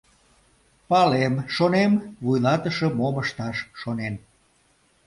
— Палем, шонем, вуйлатыше мом ышташ шонен...